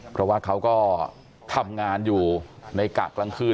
เพราะว่าเขาก็ทำงานอยู่ในกะกลางคืน